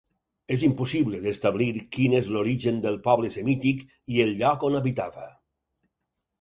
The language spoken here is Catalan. És impossible d'establir quin és l'origen del poble semític i el lloc on habitava.